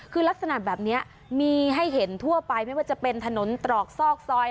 คือลักษณะแบบนี้มีให้เห็นทั่วไปไม่ว่าจะเป็นถนนตรอกซอกซอย